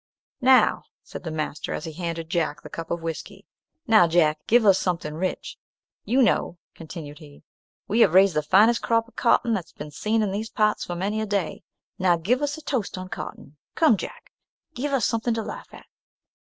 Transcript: "Now," said the master, as he handed Jack the cup of whiskey; "now, Jack, give us something rich. You know," continued he, "we have raised the finest crop of cotton that's been seen in these parts for many a day. Now give us a toast on cotton; come, Jack, give us something to laugh at."